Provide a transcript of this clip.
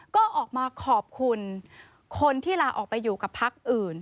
ก็ออกมาขอบคุณคนที่ลาออกไปอยู่กับพักอื่น